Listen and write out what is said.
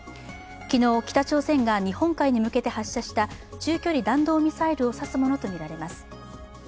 昨日、北朝鮮が日本海に向けて発射した中距離弾道ミサイルを指すものとみられます。